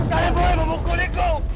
kalian boleh membukuliku